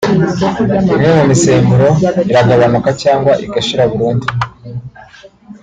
imwe mu misemburo iragabanuka cyangwa igashira burundu